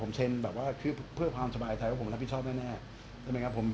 ผมเซ็นแบบว่าคือเพื่อความสบายใจว่าผมรับผิดชอบแน่ใช่ไหมครับผม